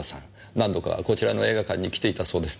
何度かこちらの映画館に来ていたそうですね？